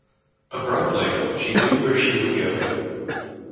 Abruptly she knew where she would go.